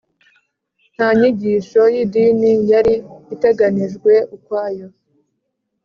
nta nyigisho y'idini yari iteganijwe ukwayo.